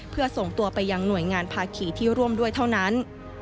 เพื่อส่งตัวไปยังหน่วยงานภาคีที่ร่วมด้วยเท่านั้น